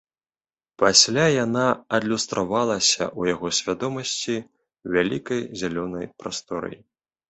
Пасля яна адлюстравалася ў яго свядомасці вялікай зялёнай прасторай.